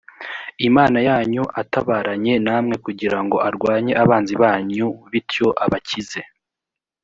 imana yanyu atabaranye namwe kugira ngo arwanye abanzi banyu bityo abakize